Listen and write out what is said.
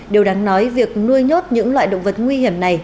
điều đáng nói việc nuôi nhốt những loại động vật nguy hiểm này